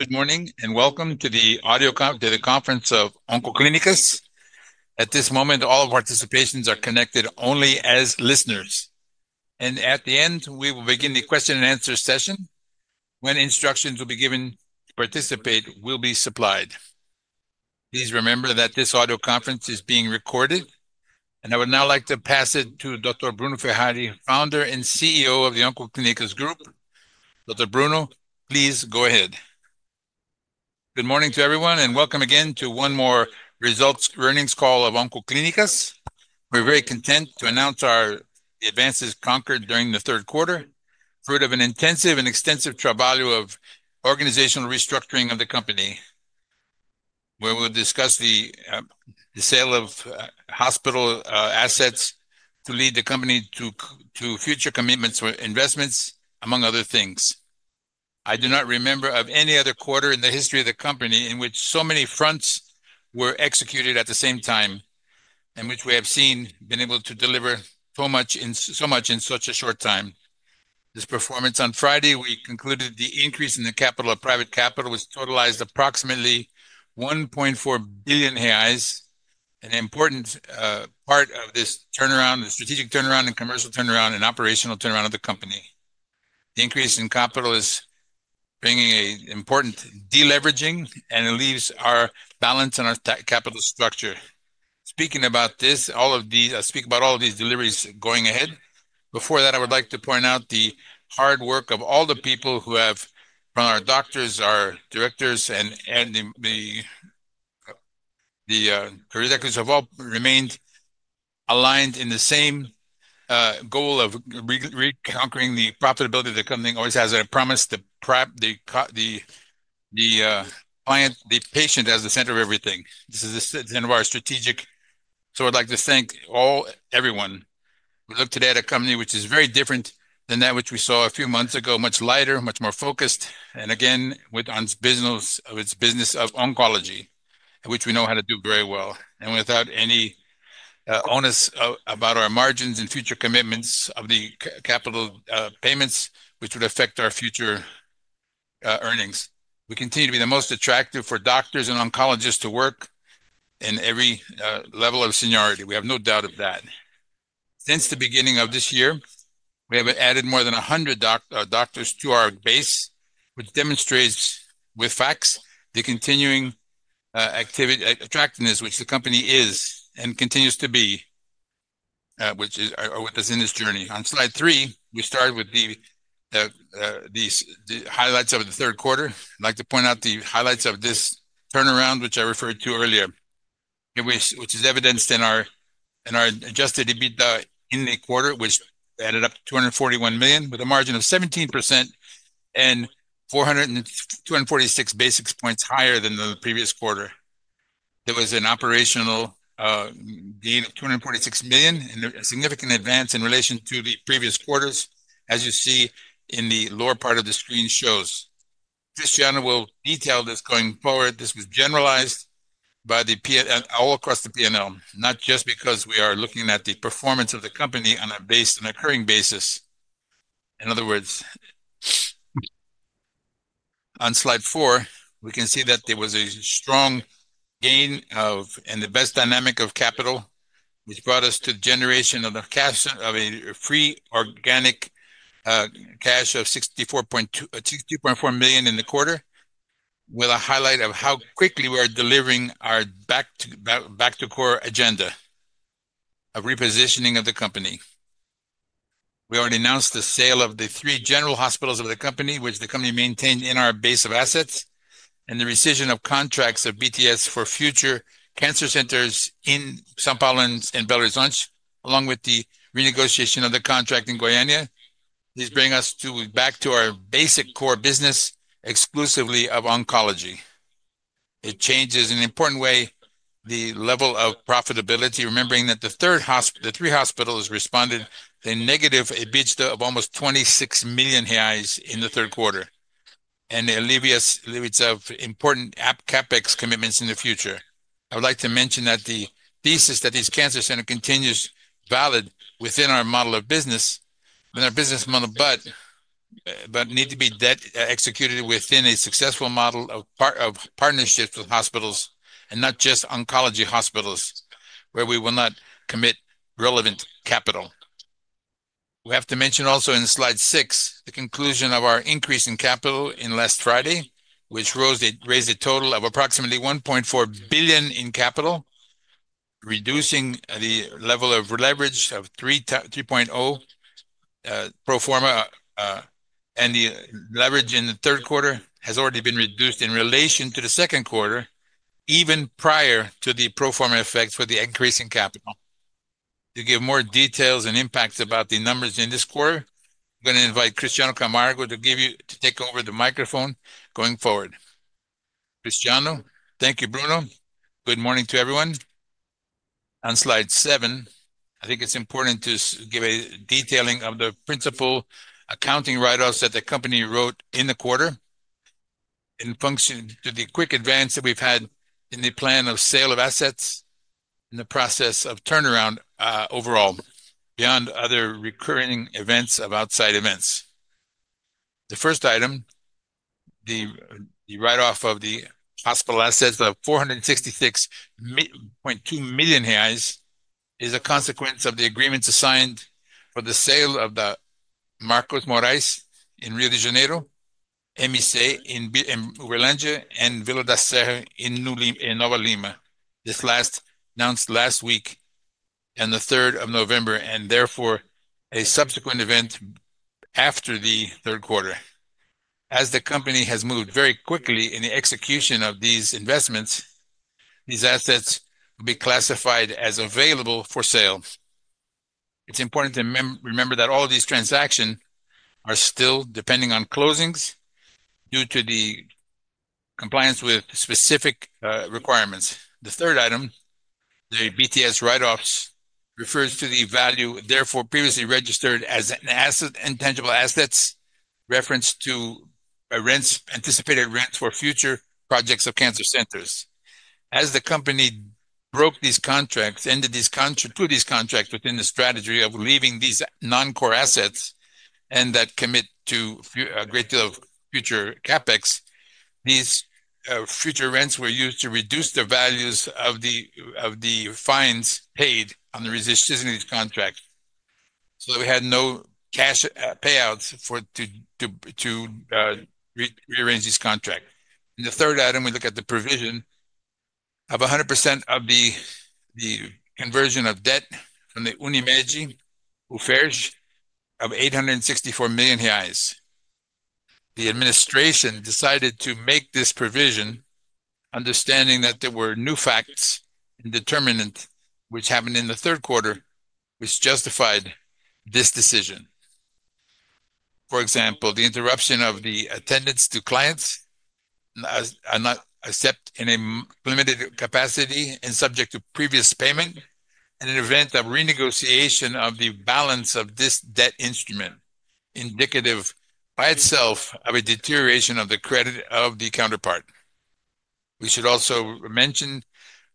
Good morning and welcome to the audio conference of Oncoclínicas. At this moment, all participants are connected only as listeners. At the end, we will begin the question-and-answer session. When instructions will be given, participants will be supplied. Please remember that this audio conference is being recorded, and I would now like to pass it to Dr. Bruno Ferrari, Founder and CEO of the Oncoclínicas Group. Dr. Bruno, please go ahead. Good morning to everyone and welcome again to one more results earnings call of Oncoclínicas. We're very content to announce the advances conquered during the third quarter, fruit of an intensive and extensive trabalho of organizational restructuring of the company, where we'll discuss the sale of hospital assets to lead the company to future commitments for investments, among other things. I do not remember of any other quarter in the history of the company in which so many fronts were executed at the same time, in which we have been able to deliver so much in such a short time. This performance on Friday, we concluded the increase in the capital of private capital was totalized approximately 1.4 billion reais, an important part of this turnaround, the strategic turnaround, and commercial turnaround, and operational turnaround of the company. The increase in capital is bringing an important deleveraging, and it leaves our balance and our capital structure. Speaking about this, I'll speak about all of these deliveries going ahead. Before that, I would like to point out the hard work of all the people who have, from our doctors, our directors, and the directors, have all remained aligned in the same goal of reconquering the profitability of the company. Always, as I promised, the client, the patient as the center of everything. This is the center of our strategic. I would like to thank everyone. We look today at a company which is very different than that which we saw a few months ago, much lighter, much more focused, and again, with its business of oncology, which we know how to do very well. Without any onus about our margins and future commitments of the capital payments, which would affect our future earnings. We continue to be the most attractive for doctors and oncologists to work in every level of seniority. We have no doubt of that. Since the beginning of this year, we have added more than 100 doctors to our base, which demonstrates with facts the continuing attractiveness which the company is and continues to be, which is with us in this journey. On slide three, we started with the highlights of the third quarter. I'd like to point out the highlights of this turnaround, which I referred to earlier, which is evidenced in our adjusted EBITDA in the quarter, which added up to 241 million, with a margin of 17% and 246 basis points higher than the previous quarter. There was an operational gain of 246 million, a significant advance in relation to the previous quarters, as you see in the lower part of the screen shows. Cristiano will detail this going forward. This was generalized all across the P&L, not just because we are looking at the performance of the company on a basic and occurring basis. In other words, on slide four, we can see that there was a strong gain and the best dynamic of capital, which brought us to the generation of a free organic cash of 64.2 million in the quarter, with a highlight of how quickly we are delivering our back-to-core agenda of repositioning of the company. We already announced the sale of the three general hospitals of the company, which the company maintained in our base of assets, and the rescission of contracts of BTS for future Cancer Centers in São Paulo and Belo Horizonte, along with the renegotiation of the contract in Goiânia. These bring us back to our basic core business exclusively of oncology. It changes in an important way the level of profitability, remembering that the three hospitals responded to a negative EBITDA of almost 26 million reais in the third quarter, and it alleviates important CapEx commitments in the future. I would like to mention that the thesis that this Cancer Center continues valid within our model of business, but our business model needs to be executed within a successful model of partnerships with hospitals and not just oncology hospitals, where we will not commit relevant capital. We have to mention also in slide six, the conclusion of our increase in capital last Friday, which raised a total of approximately 1.4 billion in capital, reducing the level of leverage of 3.0x pro forma, and the leverage in the third quarter has already been reduced in relation to the second quarter, even prior to the pro forma effects for the increase in capital. To give more details and impacts about the numbers in this quarter, I'm going to invite Cristiano Camargo to take over the microphone going forward. Cristiano, thank you, Bruno. Good morning to everyone. On slide seven, I think it's important to give a detailing of the principal accounting write-offs that the company wrote in the quarter, in function to the quick advance that we've had in the plan of sale of assets in the process of turnaround overall, beyond other recurring events of outside events. The first item, the write-off of the hospital assets of 466.2 million reais, is a consequence of the agreements signed for the sale of the Marcos Morais in Rio de Janeiro, MIC in Orlando, and Vila da Serra in Nova Lima. This last announced last week on the 3rd of November, and therefore a subsequent event after the third quarter. As the company has moved very quickly in the execution of these investments, these assets will be classified as available for sale. It's important to remember that all of these transactions are still depending on closings due to the compliance with specific requirements. The third item, the BTS write-offs, refers to the value, therefore previously registered as intangible assets, reference to anticipated rents for future projects of Cancer Centers. As the company broke these contracts, ended these contracts within the strategy of leaving these non-core assets and that commit to a great deal of future CapEx, these future rents were used to reduce the values of the fines paid on the rescission of these contracts. We had no cash payouts to rearrange these contracts. In the third item, we look at the provision of 100% of the conversion of debt from the Unimed FERJ of 864 million reais. The administration decided to make this provision, understanding that there were new facts and determinants which happened in the third quarter, which justified this decision. For example, the interruption of the attendance to clients except in a limited capacity and subject to previous payment, and an event of renegotiation of the balance of this debt instrument, indicative by itself of a deterioration of the credit of the counterpart. We should also mention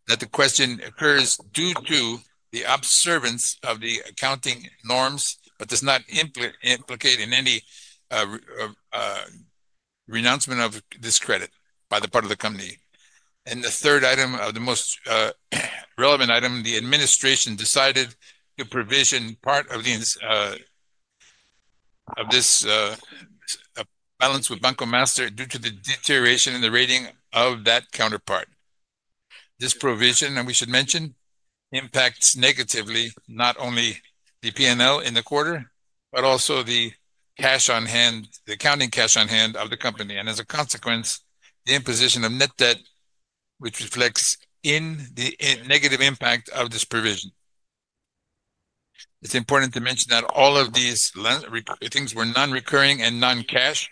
that the question occurs due to the observance of the accounting norms, but does not implicate in any renouncement of this credit by the part of the company. The third item, the most relevant item, the administration decided to provision part of this balance with Banco Master due to the deterioration in the rating of that counterpart. This provision, and we should mention, impacts negatively not only the P&L in the quarter, but also the accounting cash on hand of the company. As a consequence, the imposition of net debt, which reflects in the negative impact of this provision. It's important to mention that all of these things were non-recurring and non-cash,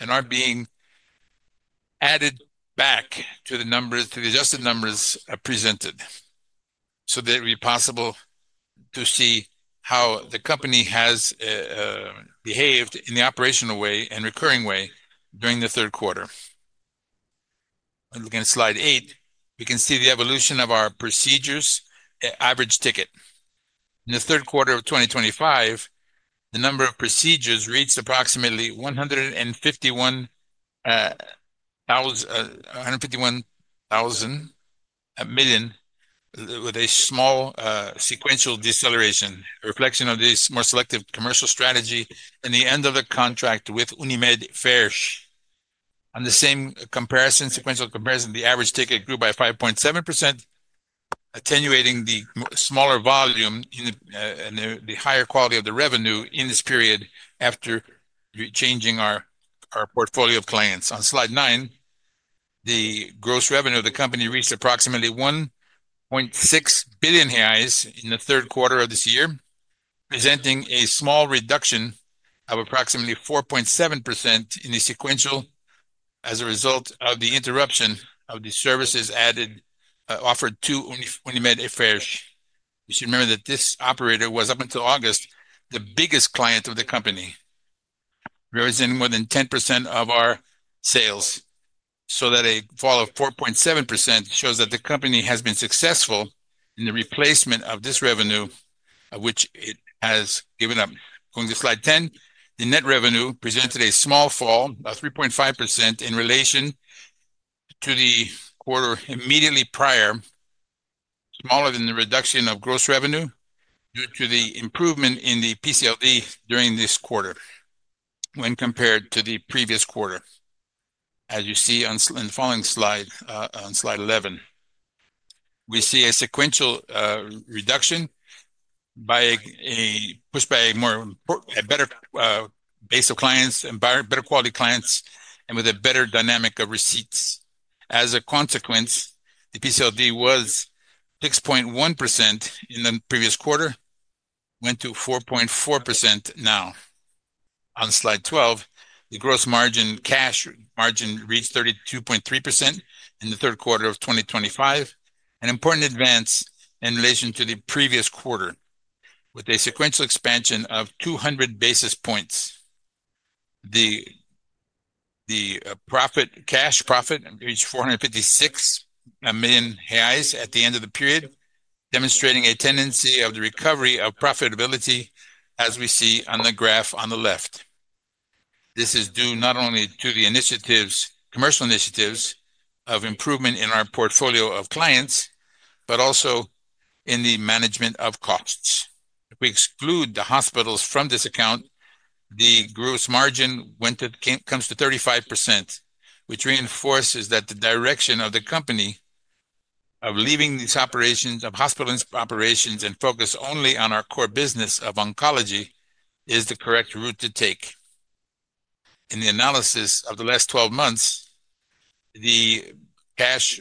and are being added back to the adjusted numbers presented, so that it will be possible to see how the company has behaved in the operational way and recurring way during the third quarter. Looking at slide eight, we can see the evolution of our procedures average ticket. In the third quarter of 2025, the number of procedures reached approximately 151 million with a small sequential deceleration, a reflection of this more selective commercial strategy in the end of the contract with Unimed FERJ. On the same sequential comparison, the average ticket grew by 5.7%, attenuating the smaller volume and the higher quality of the revenue in this period after changing our portfolio of clients. On slide nine, the gross revenue of the company reached approximately 1.6 billion reais in the third quarter of this year, presenting a small reduction of approximately 4.7% in the sequential as a result of the interruption of the services offered to Unimed FERJ. You should remember that this operator was, up until August, the biggest client of the company, representing more than 10% of our sales. A fall of 4.7% shows that the company has been successful in the replacement of this revenue, of which it has given up. Going to slide 10, the net revenue presented a small fall of 3.5% in relation to the quarter immediately prior, smaller than the reduction of gross revenue due to the improvement in the PCLD during this quarter when compared to the previous quarter, as you see in the following slide, on slide 11. We see a sequential reduction pushed by a better base of clients and better quality clients and with a better dynamic of receipts. As a consequence, the PCLD was 6.1% in the previous quarter, went to 4.4% now. On slide 12, the gross margin cash margin reached 32.3% in the third quarter of 2025, an important advance in relation to the previous quarter, with a sequential expansion of 200 basis points. The cash profit reached 456 million reais at the end of the period, demonstrating a tendency of the recovery of profitability as we see on the graph on the left. This is due not only to the commercial initiatives of improvement in our portfolio of clients, but also in the management of costs. If we exclude the hospitals from this account, the gross margin comes to 35%, which reinforces that the direction of the company of leaving these operations of hospital operations and focus only on our core business of oncology is the correct route to take. In the analysis of the last 12 months, the gross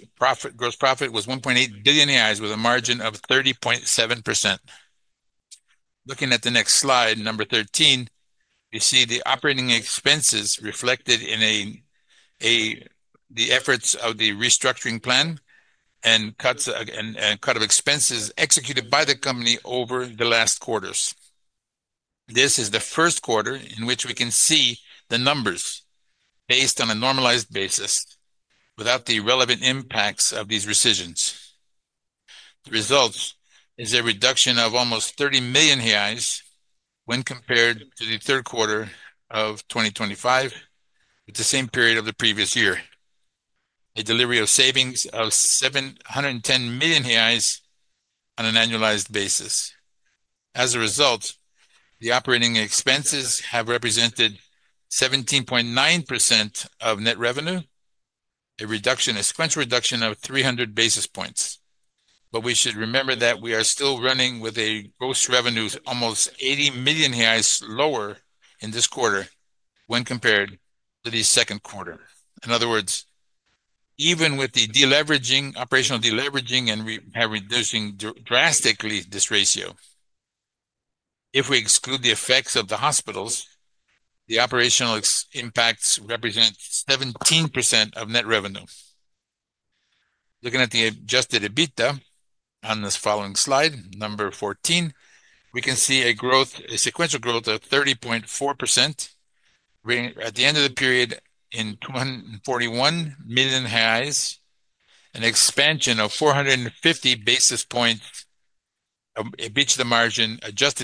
profit was 1.8 billion reais with a margin of 30.7%. Looking at the next slide, number 13, you see the operating expenses reflected in the efforts of the restructuring plan and cut of expenses executed by the company over the last quarters. This is the first quarter in which we can see the numbers based on a normalized basis without the relevant impacts of these rescissions. The result is a reduction of almost 30 million reais when compared to the third quarter of 2025, with the same period of the previous year, a delivery of savings of 710 million reais on an annualized basis. As a result, the operating expenses have represented 17.9% of net revenue, a sequential reduction of 300 basis points. We should remember that we are still running with a gross revenue almost 80 million reais lower in this quarter when compared to the second quarter. In other words, even with the operational deleveraging and reducing drastically this ratio, if we exclude the effects of the hospitals, the operational impacts represent 17% of net revenue. Looking at the adjusted EBITDA on this following slide, number 14, we can see a sequential growth of 30.4% at the end of the period in 241 million, an expansion of 450 basis points of adjusted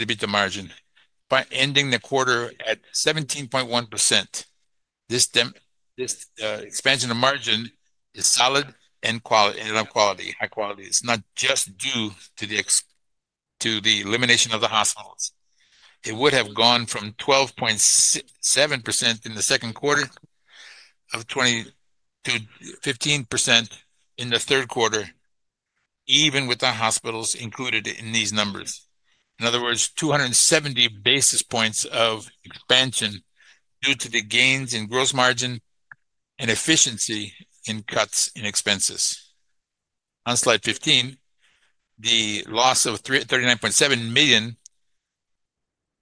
EBITDA margin by ending the quarter at 17.1%. This expansion of margin is solid and of high quality. It's not just due to the elimination of the hospitals. It would have gone from 12.7% in the second quarter to 15% in the third quarter, even with the hospitals included in these numbers. In other words, 270 basis points of expansion due to the gains in gross margin and efficiency in cuts in expenses. On slide 15, the loss of 39.7 million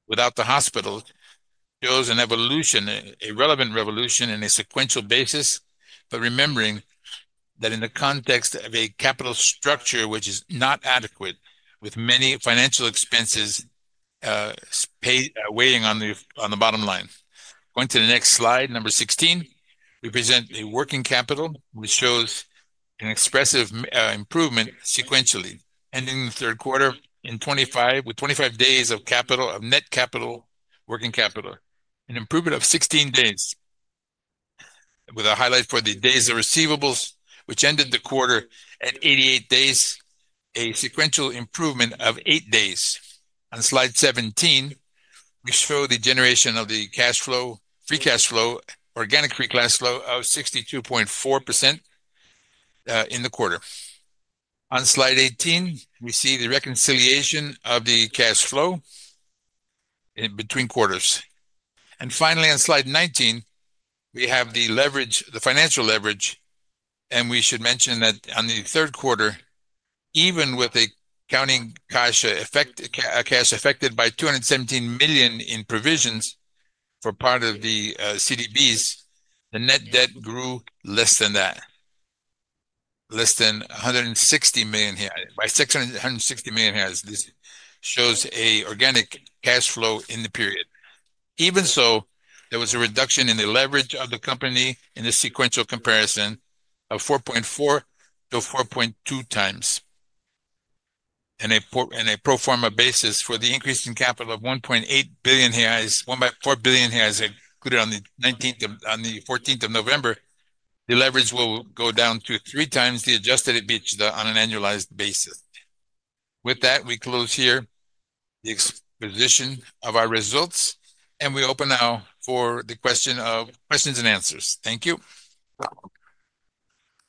without the hospital shows a relevant revolution in a sequential basis, but remembering that in the context of a capital structure which is not adequate, with many financial expenses weighing on the bottom line. Going to the next slide, number 16, we present a working capital, which shows an expressive improvement sequentially, ending the third quarter with 25 days of net capital working capital, an improvement of 16 days, with a highlight for the days of receivables, which ended the quarter at 88 days, a sequential improvement of 8 days. On slide 17, we show the generation of the free cash flow, organic free cash flow of 62.4 million in the quarter. On slide 18, we see the reconciliation of the cash flow between quarters. Finally, on slide 19, we have the financial leverage, and we should mention that in the third quarter, even with a cash effect affected by 217 million in provisions for part of the CDBs, the net debt grew less than that, less than 160 million. This shows an organic cash flow in the period. Even so, there was a reduction in the leverage of the company in the sequential comparison of 4.4 to 4.2 times on a pro forma basis. For the increase in capital of 1.8 billion reais, 1.4 billion reais included on the 14th of November, the leverage will go down to three times the adjusted EBITDA on an annualized basis. With that, we close here the exposition of our results, and we open now for the questions and answers. Thank you.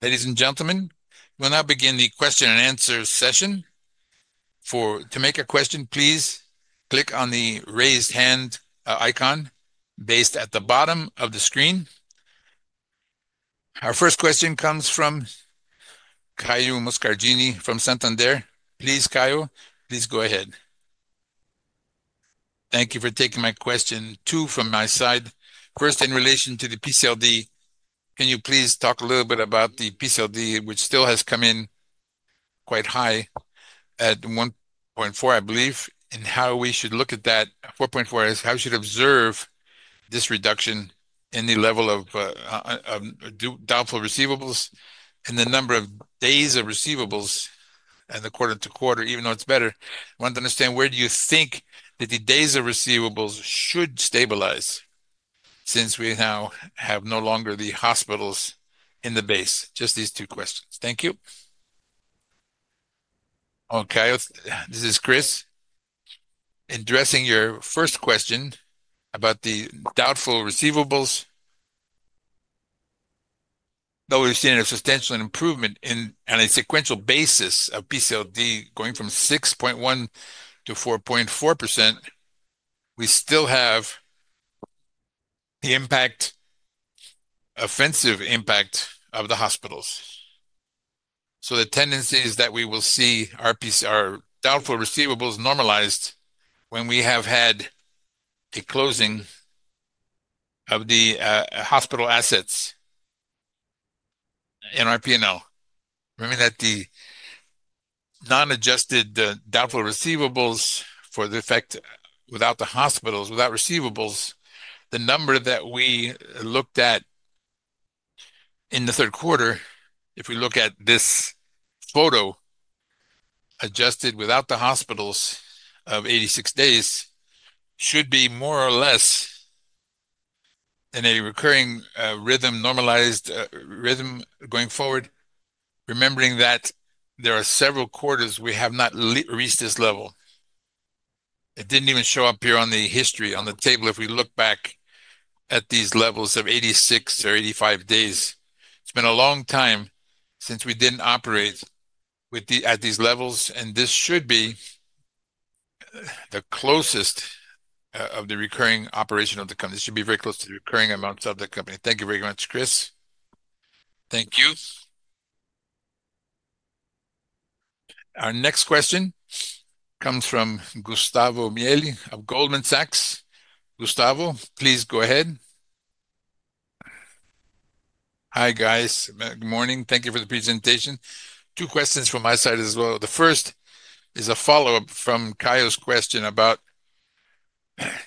Ladies and gentlemen, we will now begin the question and answer session. To make a question, please click on the raised hand icon based at the bottom of the screen. Our first question comes from Caio Moscardini from Santander. Please, Caio, please go ahead. Thank you for taking my question. Two from my side. First, in relation to the PCLD, can you please talk a little bit about the PCLD, which still has come in quite high at 1.4, I believe, and how we should look at that 4.4, how we should observe this reduction in the level of doubtful receivables and the number of days of receivables. The quarter to quarter, even though it is better. I want to understand where do you think that the days of receivables should stabilize since we now have no longer the hospitals in the base. Just these two questions. Thank you. Okay, this is Chris. Addressing your first question about the doubtful receivables, though we've seen a substantial improvement on a sequential basis of PCLD going from 6.1% to 4.4%, we still have the offensive impact of the hospitals. The tendency is that we will see our doubtful receivables normalized when we have had a closing of the hospital assets in our P&L. Remember that the non-adjusted doubtful receivables for the effect without the hospitals, without receivables, the number that we looked at in the third quarter, if we look at this photo adjusted without the hospitals of 86 days, should be more or less in a recurring rhythm, normalized rhythm going forward, remembering that there are several quarters we have not reached this level. It did not even show up here on the history, on the table. If we look back at these levels of 86 or 85 days, it has been a long time since we did not operate at these levels, and this should be the closest of the recurring operation of the company. This should be very close to the recurring amounts of the company. Thank you very much, Chris. Thank you. Our next question comes from Gustavo Miele of Goldman Sachs. Gustavo, please go ahead. Hi, guys. Good morning. Thank you for the presentation. Two questions from my side as well. The first is a follow-up from Caio's question about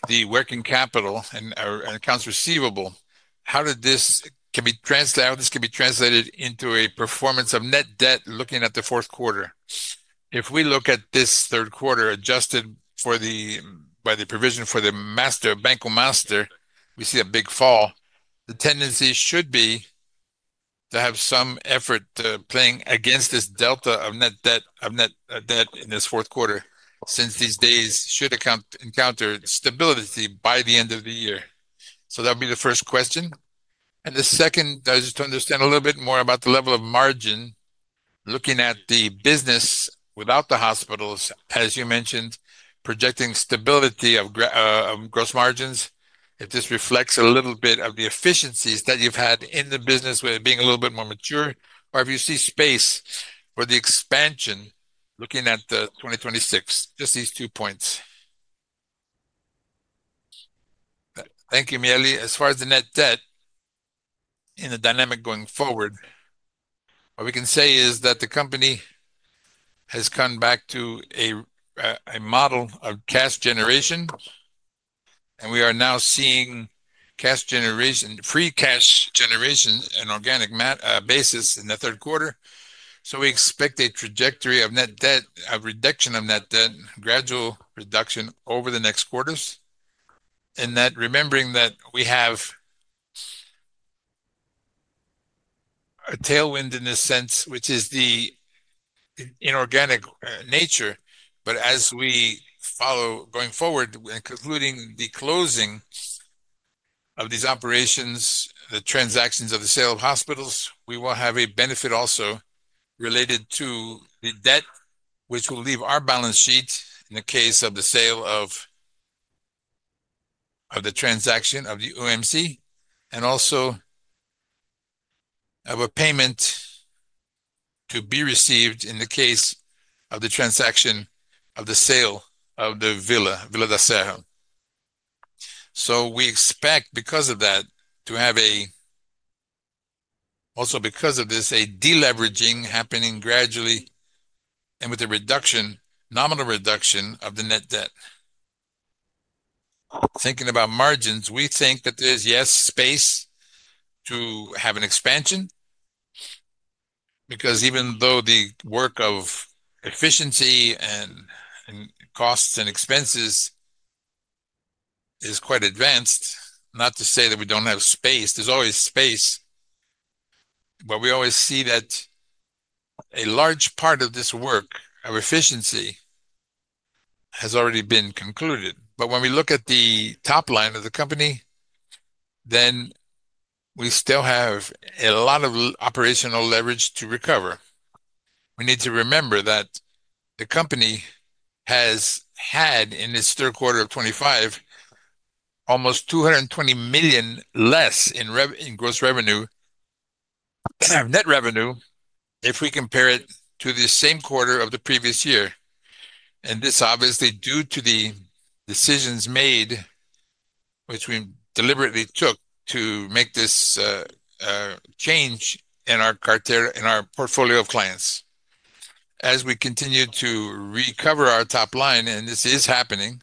the working capital and accounts receivable. How can this be translated into a performance of net debt looking at the fourth quarter? If we look at this third quarter adjusted by the provision for the Banco Master, we see a big fall. The tendency should be to have some effort playing against this delta of net debt in this fourth quarter since these days should encounter stability by the end of the year. That would be the first question. The second, I just want to understand a little bit more about the level of margin looking at the business without the hospitals, as you mentioned, projecting stability of gross margins. If this reflects a little bit of the efficiencies that you've had in the business with it being a little bit more mature, or if you see space for the expansion looking at 2026, just these two points. Thank you, Miele. As far as the net debt in the dynamic going forward, what we can say is that the company has come back to a model of cash generation, and we are now seeing free cash generation on an organic basis in the third quarter. We expect a trajectory of reduction of net debt, gradual reduction over the next quarters, and that remembering that we have a tailwind in this sense, which is the inorganic nature. As we follow going forward, including the closing of these operations, the transactions of the sale of hospitals, we will have a benefit also related to the debt, which will leave our balance sheet in the case of the sale of the transaction of the OMC and also of a payment to be received in the case of the transaction of the sale of the Vila da Serra. We expect, because of that, to have a, also because of this, a deleveraging happening gradually and with a nominal reduction of the net debt. Thinking about margins, we think that there's, yes, space to have an expansion because even though the work of efficiency and costs and expenses is quite advanced, not to say that we don't have space, there's always space, but we always see that a large part of this work of efficiency has already been concluded. When we look at the top line of the company, then we still have a lot of operational leverage to recover. We need to remember that the company has had in this third quarter of 2025 almost 220 million less in gross revenue, net revenue, if we compare it to the same quarter of the previous year. This is obviously due to the decisions made which we deliberately took to make this change in our portfolio of clients. As we continue to recover our top line, and this is happening,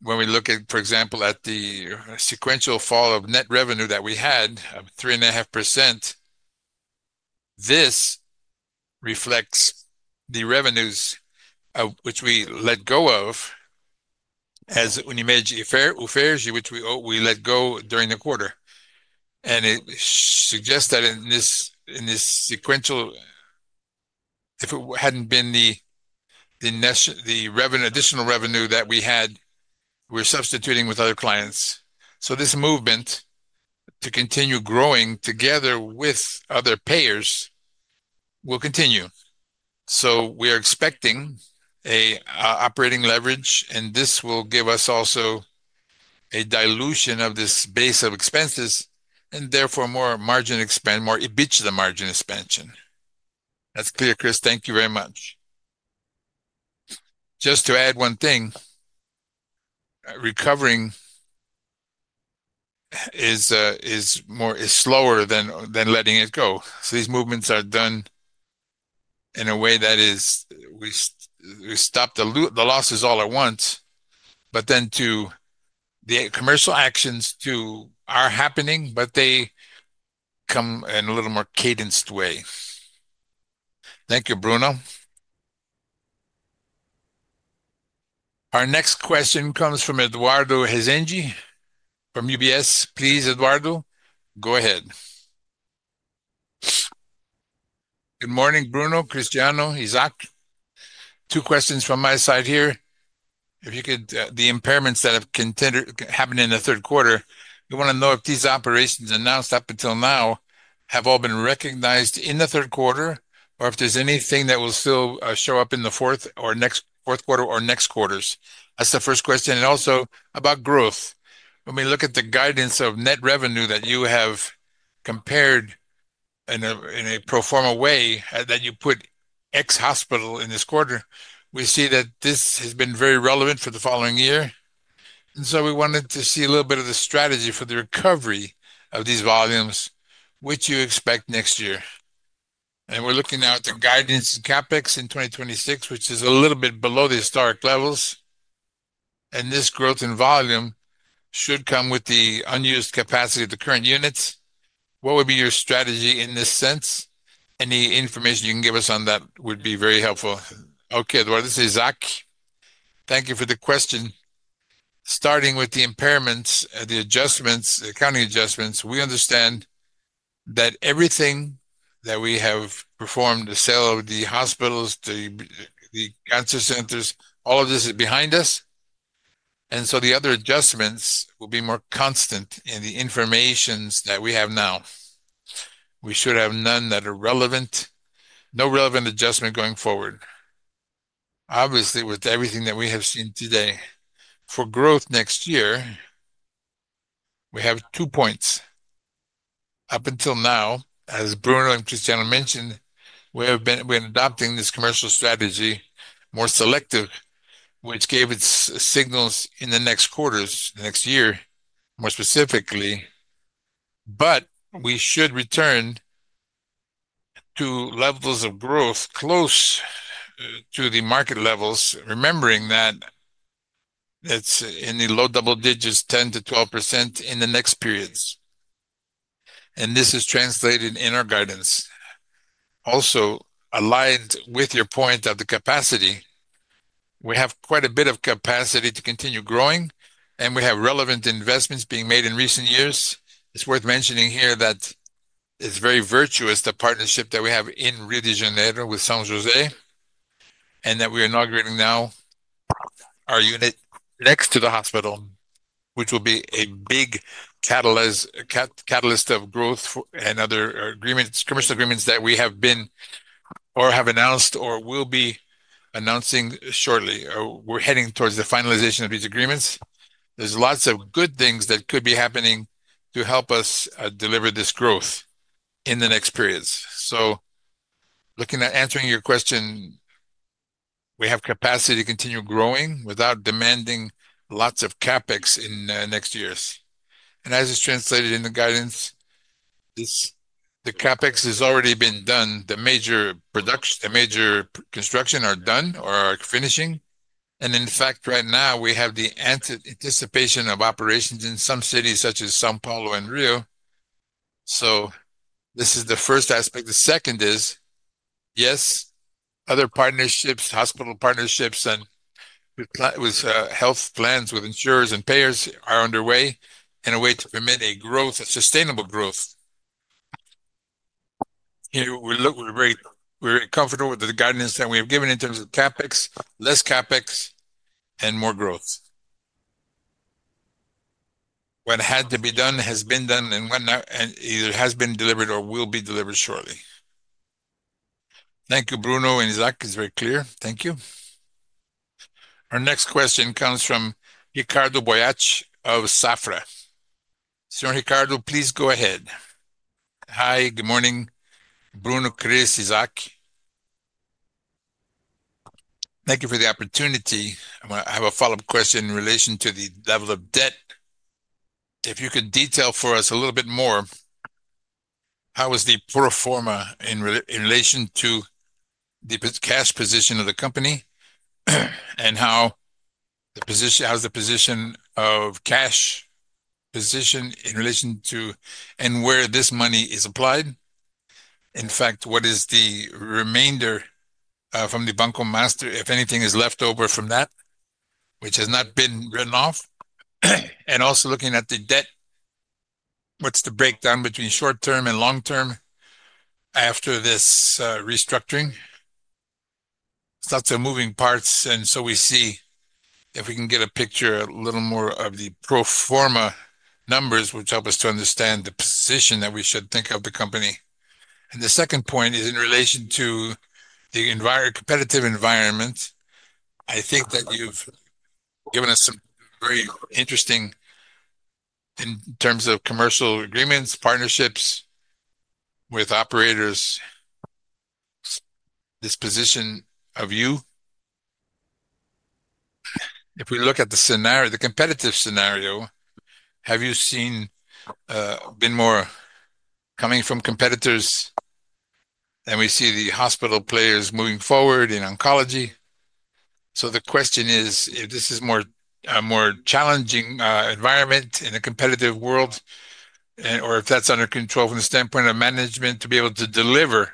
when we look at, for example, at the sequential fall of net revenue that we had of 3.5%, this reflects the revenues which we let go of as we made the offering, which we let go during the quarter. It suggests that in this sequential, if it had not been the additional revenue that we had, we are substituting with other clients. This movement to continue growing together with other payers will continue. We are expecting an operating leverage, and this will give us also a dilution of this base of expenses and therefore more margin expansion, more EBITDA margin expansion. That is clear, Chris. Thank you very much. Just to add one thing, recovering is slower than letting it go. These movements are done in a way that we stop the losses all at once, but then the commercial actions are happening, but they come in a little more cadenced way. Thank you, Bruno. Our next question comes from Eduardo Hezengi from UBS. Please, Eduardo, go ahead. Good morning, Bruno, Cristiano, Isaac. Two questions from my side here. If you could, the impairments that have happened in the third quarter, we want to know if these operations announced up until now have all been recognized in the third quarter or if there is anything that will still show up in the fourth or next fourth quarter or next quarters. That is the first question. Also about growth, when we look at the guidance of net revenue that you have compared in a pro forma way that you put X hospital in this quarter, we see that this has been very relevant for the following year. We wanted to see a little bit of the strategy for the recovery of these volumes, which you expect next year. We are looking now at the guidance in CapEx in 2026, which is a little bit below the historic levels. This growth in volume should come with the unused capacity of the current units. What would be your strategy in this sense? Any information you can give us on that would be very helpful. Okay, Eduardo, Isaac, thank you for the question. Starting with the impairments, the accounting adjustments, we understand that everything that we have performed, the sale of the hospitals, the Cancer Centers, all of this is behind us. The other adjustments will be more constant in the information that we have now. We should have none that are relevant, no relevant adjustment going forward. Obviously, with everything that we have seen today, for growth next year, we have two points. Up until now, as Bruno and Cristiano mentioned, we've been adopting this commercial strategy more selective, which gave its signals in the next quarters, the next year, more specifically. We should return to levels of growth close to the market levels, remembering that it is in the low double digits, 10-12% in the next periods. This is translated in our guidance. Also, aligned with your point of the capacity, we have quite a bit of capacity to continue growing, and we have relevant investments being made in recent years. It's worth mentioning here that it's very virtuous, the partnership that we have in Rio de Janeiro with São José, and that we are inaugurating now our unit next to the hospital, which will be a big catalyst of growth and other commercial agreements that we have been or have announced or will be announcing shortly. We are heading towards the finalization of these agreements. There are lots of good things that could be happening to help us deliver this growth in the next periods. Looking at answering your question, we have capacity to continue growing without demanding lots of CapEx in next years. As it's translated in the guidance, the CapEx has already been done. The major construction are done or are finishing. In fact, right now, we have the anticipation of operations in some cities such as São Paulo and Rio. This is the first aspect. The second is, yes, other partnerships, hospital partnerships, and with health plans with insurers and payers are underway in a way to permit a sustainable growth. We are very comfortable with the guidance that we have given in terms of CapEx, less CapEx, and more growth. What had to be done has been done, and it has been delivered or will be delivered shortly. Thank you, Bruno and Isaac. It is very clear. Thank you. Our next question comes from Ricardo Boyach of Safra. Sir Ricardo, please go ahead. Hi, good morning, Bruno, Chris, Isaac. Thank you for the opportunity. I have a follow-up question in relation to the level of debt. If you could detail for us a little bit more how was the pro forma in relation to the cash position of the company and how the position of cash position in relation to and where this money is applied. In fact, what is the remainder from the Banco Master, if anything is left over from that, which has not been written off? Also, looking at the debt, what's the breakdown between short term and long term after this restructuring? It's lots of moving parts, and we see if we can get a picture a little more of the pro forma numbers, which help us to understand the position that we should think of the company. The second point is in relation to the competitive environment. I think that you've given us some very interesting in terms of commercial agreements, partnerships with operators, this position of you. If we look at the competitive scenario, have you seen been more coming from competitors? We see the hospital players moving forward in oncology. The question is, if this is a more challenging environment in a competitive world, or if that's under control from the standpoint of management to be able to deliver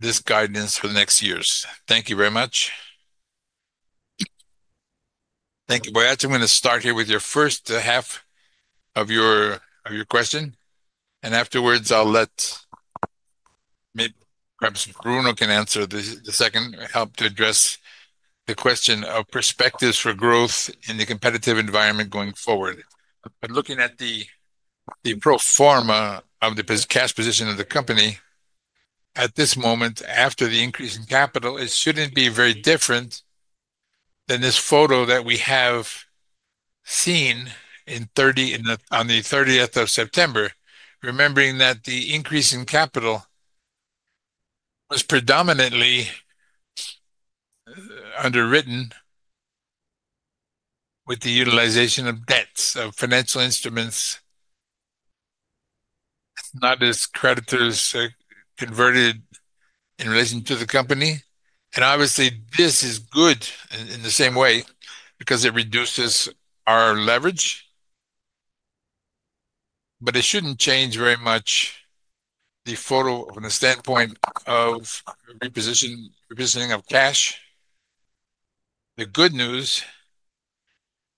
this guidance for the next years. Thank you very much. Thank you, Boyach. I'm going to start here with your first half of your question. Afterwards, I'll let maybe perhaps Bruno can answer the second help to address the question of perspectives for growth in the competitive environment going forward. Looking at the pro forma of the cash position of the company at this moment after the increase in capital, it should not be very different than this photo that we have seen on the 30th of September, remembering that the increase in capital was predominantly underwritten with the utilization of debts of financial instruments, not as creditors converted in relation to the company. Obviously, this is good in the same way because it reduces our leverage. It should not change very much the photo from the standpoint of repositioning of cash. The good news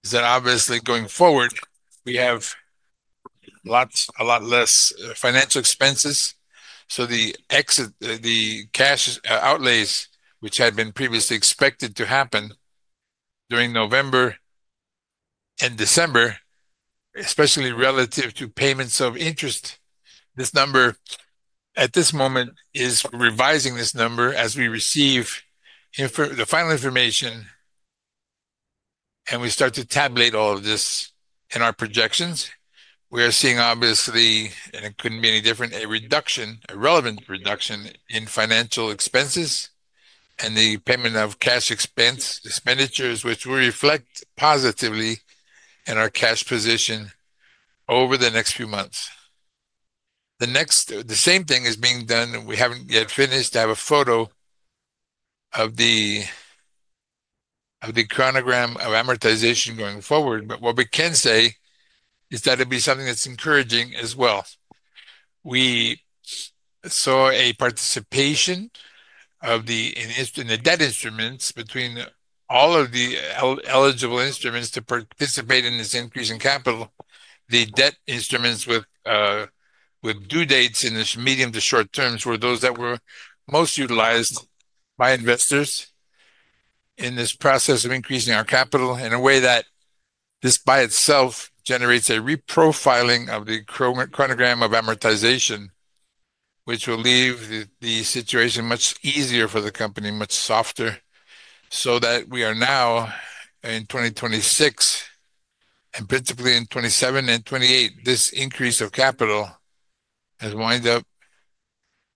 is that obviously, going forward, we have a lot less financial expenses. The cash outlays, which had been previously expected to happen during November and December, especially relative to payments of interest, this number at this moment is revising this number as we receive the final information and we start to tabulate all of this in our projections. We are seeing, obviously, and it could not be any different, a reduction, a relevant reduction in financial expenses and the payment of cash expenditures, which will reflect positively in our cash position over the next few months. The same thing is being done. We have not yet finished to have a photo of the chronogram of amortization going forward. What we can say is that it would be something that is encouraging as well. We saw a participation of the debt instruments between all of the eligible instruments to participate in this increase in capital. The debt instruments with due dates in this medium to short terms were those that were most utilized by investors in this process of increasing our capital in a way that this by itself generates a reprofiling of the chronogram of amortization, which will leave the situation much easier for the company, much softer. So that we are now in 2026, and principally in 2027 and 2028, this increase of capital has wind up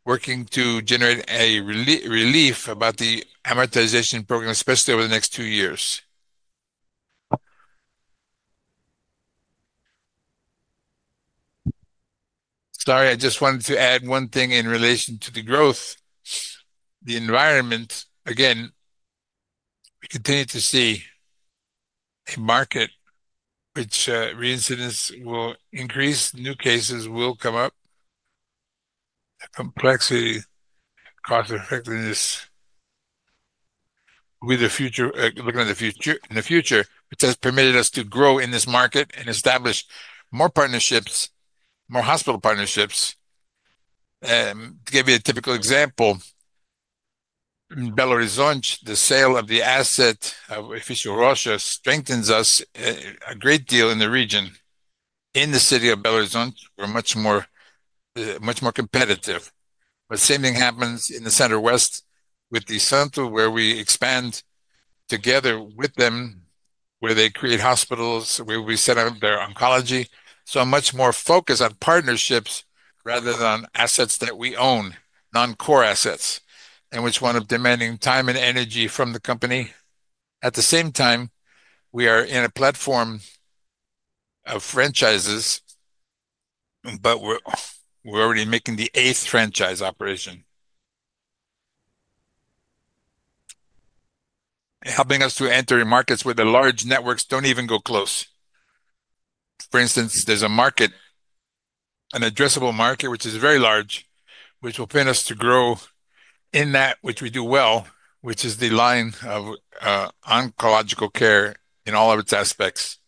working to generate a relief about the amortization program, especially over the next two years. Sorry, I just wanted to add one thing in relation to the growth, the environment. Again, we continue to see a market which reincidence will increase. New cases will come up. The complexity, cost-effectiveness, looking at the future, which has permitted us to grow in this market and establish more partnerships, more hospital partnerships. To give you a typical example, in Belo Horizonte, the sale of the asset of Official Rocha strengthens us a great deal in the region. In the city of Belo Horizonte, we're much more competitive. The same thing happens in the center west with the center where we expand together with them, where they create hospitals, where we set up their oncology. Much more focus on partnerships rather than on assets that we own, non-core assets, and which want to demand time and energy from the company. At the same time, we are in a platform of franchises, but we're already making the eighth franchise operation. Helping us to enter markets where the large networks don't even go close. For instance, there's an addressable market, which is very large, which will permit us to grow in that which we do well, which is the line of oncological care in all of its aspects.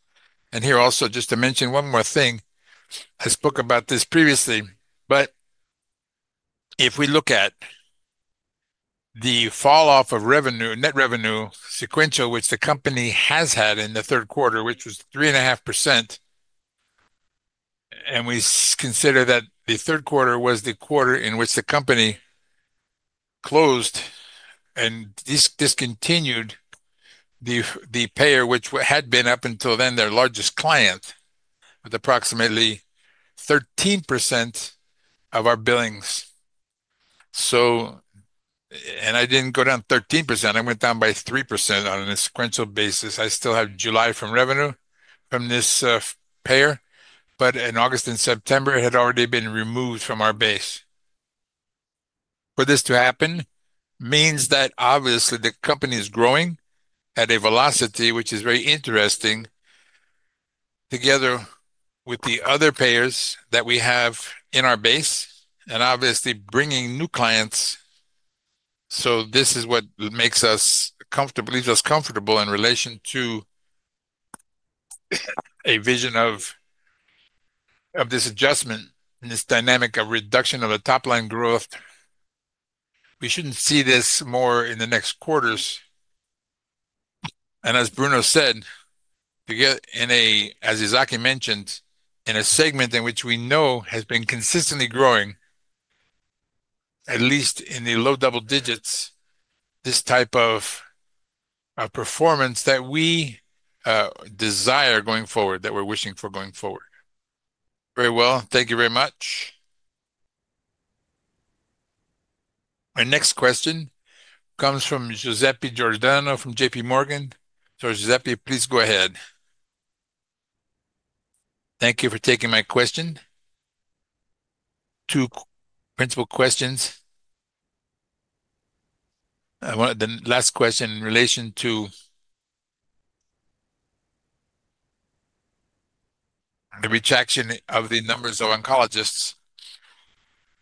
Also, just to mention one more thing, I spoke about this previously, but if we look at the falloff of net revenue sequential, which the company has had in the third quarter, which was 3.5%, and we consider that the third quarter was the quarter in which the company closed and discontinued the payer, which had been up until then their largest client, with approximately 13% of our billings. I did not go down 13%. I went down by 3% on a sequential basis. I still have July from revenue from this payer, but in August and September, it had already been removed from our base. For this to happen means that obviously the company is growing at a velocity, which is very interesting, together with the other payers that we have in our base, and obviously bringing new clients. This is what leaves us comfortable in relation to a vision of this adjustment and this dynamic of reduction of the top line growth. We should not see this more in the next quarters. As Bruno said, as Isaac mentioned, in a segment in which we know has been consistently growing, at least in the low double digits, this type of performance that we desire going forward, that we are wishing for going forward. Very well. Thank you very much. Our next question comes from Joseph Giordano from JPMorgan. Joseph, please go ahead. Thank you for taking my question. Two principal questions. The last question in relation to the retraction of the numbers of oncologists,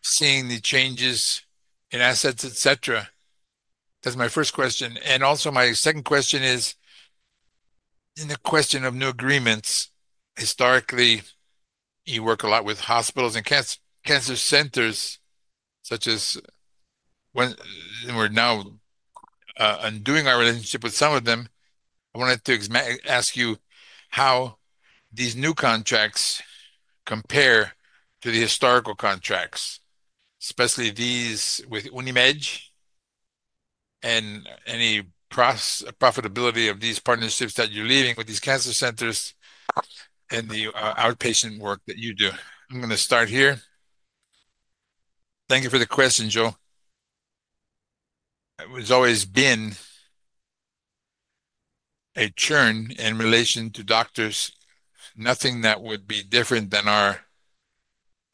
seeing the changes in assets, et cetera. That is my first question. Also, my second question is in the question of new agreements. Historically, you work a lot with hospitals and cancer centers, such as we are now undoing our relationship with some of them. I wanted to ask you how these new contracts compare to the historical contracts, especially these with Unimed and any profitability of these partnerships that you are leaving with these cancer centers and the outpatient work that you do. I am going to start here. Thank you for the question, Joe. It has always been a churn in relation to doctors. Nothing that would be different than our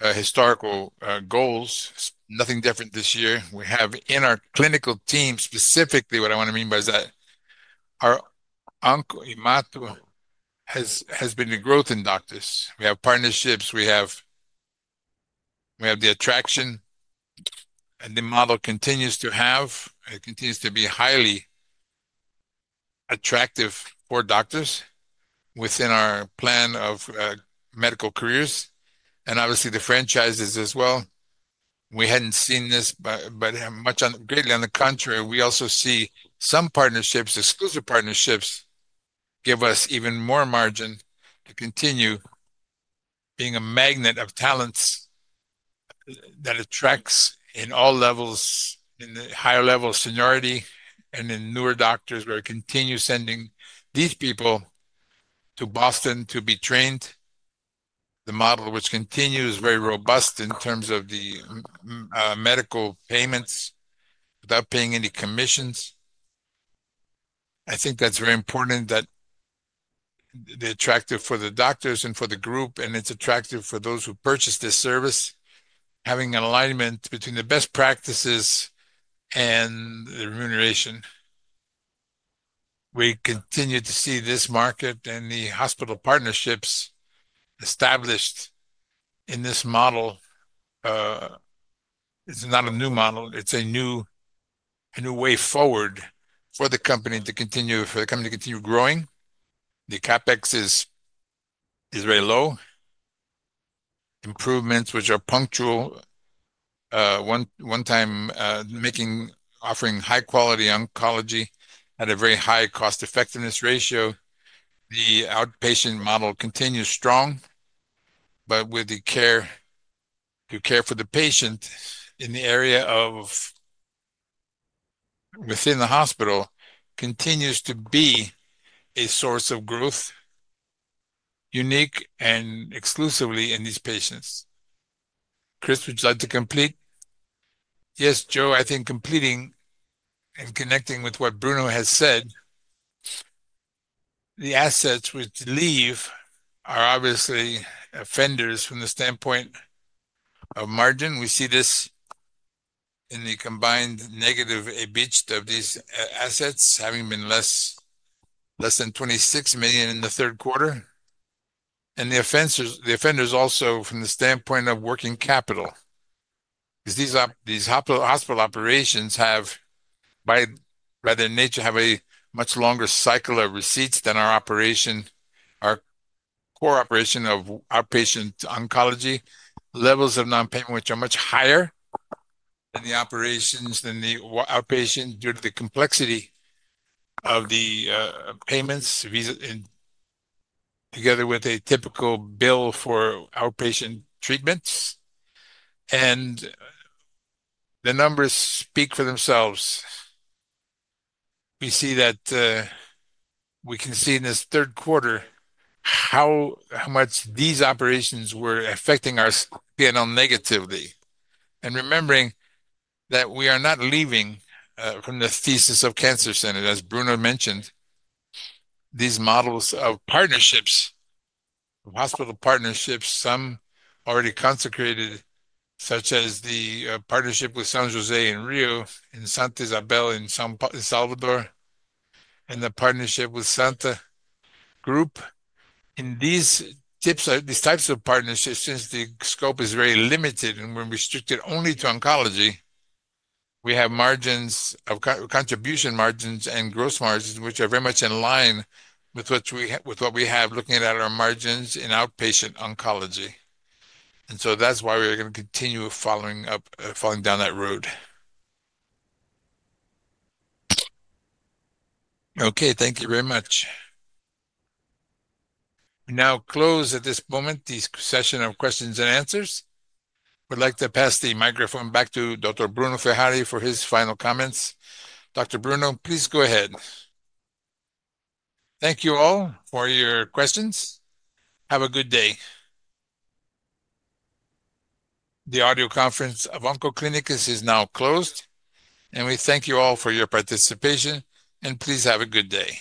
historical goals. Nothing different this year. We have in our clinical team, specifically what I want to mean by that, our Oncoclínicas has been a growth in doctors. We have partnerships. We have the attraction, and the model continues to have. It continues to be highly attractive for doctors within our plan of medical careers. Obviously, the franchises as well. We had not seen this, but greatly on the contrary, we also see some partnerships, exclusive partnerships give us even more margin to continue being a magnet of talents that attracts in all levels, in the higher level seniority and in newer doctors where it continues sending these people to Boston to be trained. The model, which continues very robust in terms of the medical payments without paying any commissions. I think that's very important that the attractive for the doctors and for the group, and it's attractive for those who purchase this service, having an alignment between the best practices and the remuneration. We continue to see this market and the hospital partnerships established in this model. It's not a new model. It's a new way forward for the company to continue growing. The CapEx is very low. Improvements, which are punctual, one time offering high-quality oncology at a very high cost-effectiveness ratio. The outpatient model continues strong, but with the care to care for the patient in the area within the hospital continues to be a source of growth, unique and exclusively in these patients. Chris, would you like to complete? Yes, Joe. I think completing and connecting with what Bruno has said, the assets which leave are obviously offenders from the standpoint of margin. We see this in the combined negative EBIT of these assets having been less than 26 million in the third quarter. The offenders also from the standpoint of working capital. These hospital operations, by their nature, have a much longer cycle of receipts than our core operation of outpatient oncology, levels of non-payment, which are much higher than the operations than the outpatient due to the complexity of the payments together with a typical bill for outpatient treatments. The numbers speak for themselves. We see that we can see in this third quarter how much these operations were affecting our scale negatively. Remembering that we are not leaving from the thesis of cancer center, as Bruno mentioned, these models of partnerships, of hospital partnerships, some already consecrated, such as the partnership with San José in Rio, in Santa Isabel, in Salvador, and the partnership with Santa Group. In these types of partnerships, since the scope is very limited and we're restricted only to oncology, we have contribution margins and gross margins, which are very much in line with what we have looking at our margins in outpatient oncology. That is why we're going to continue following down that road. Okay, thank you very much. We now close at this moment this session of questions and answers. We'd like to pass the microphone back to Dr. Bruno Ferrari for his final comments. Dr. Bruno, please go ahead. Thank you all for your questions. Have a good day. The audio conference of Oncoclínicas is now closed, and we thank you all for your participation, and please have a good day.